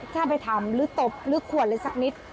ถ้าไปทำหรือตบหรือขวดอะไรสักนิด